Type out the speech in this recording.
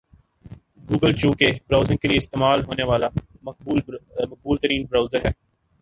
Google چونکہ browsing کے لئے استعمال ہونے والا مقبول ترین برؤزر ہے